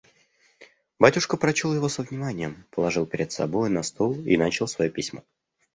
Батюшка прочел его со вниманием, положил перед собою на стол и начал свое письмо.